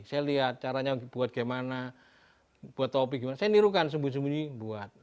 saya lihat caranya buat gimana buat topi gimana saya nirukan sembunyi sembunyi buat